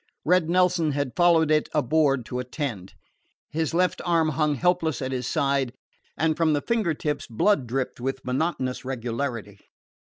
Red Nelson had followed it aboard to superintend. His left arm hung helpless at his side, and from the finger tips blood dripped with monotonous regularity.